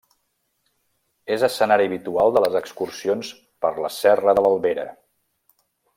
És escenari habitual de les excursions per la Serra de l'Albera.